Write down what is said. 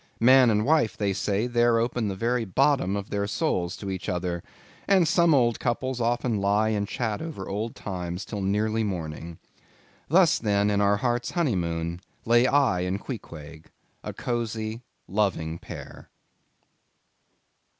Man and wife, they say, there open the very bottom of their souls to each other; and some old couples often lie and chat over old times till nearly morning. Thus, then, in our hearts' honeymoon, lay I and Queequeg—a cosy, loving pair.